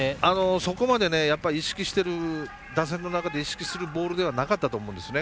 そこまで打線の中で意識するボールではなかったと思うんですね